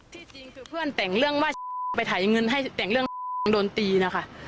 ที่จริงคือเพื่อนแต่งเรื่องว่าไปถ่ายเงินให้แต่งเรื่องโดนตีนะคะ